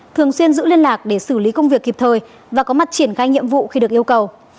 thường xuyên giữ liên lạc để xử lý công việc kịp thời và có mặt triển khai nhiệm vụ khi được yêu cầu